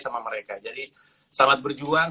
sama mereka jadi selamat berjuang